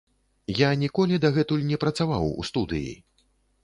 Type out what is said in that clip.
Я ніколі дагэтуль не працаваў у студыі.